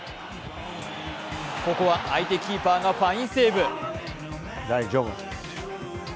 ここは相手キーパーがファインセーブ。